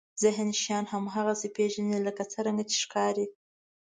ذهن شیان هماغسې پېژني لکه څرنګه چې ښکاري.